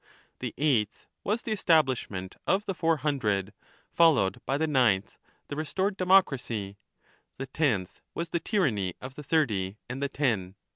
The eighth was the establishment of the Four Hundred, followed by the ninth. the restored democracy. The tenth was the tyranny of the Thirty and the Ten.